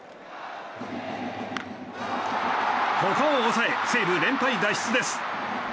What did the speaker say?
ここを抑え、西武連敗脱出です。